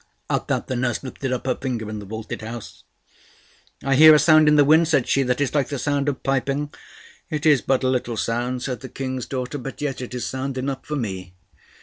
At that the nurse lifted up her finger in the vaulted house. "I hear a sound in the wind," said she, "that is like the sound of piping." "It is but a little sound," said the King's daughter, "but yet is it sound enough for me."